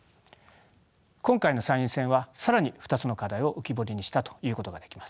今回の参院選は更に２つの課題を浮き彫りにしたと言うことができます。